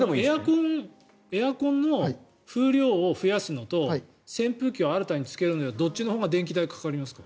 エアコンの風量を増やすのと扇風機を新たにつけるのとどっちのほうが電気代がかかりますか。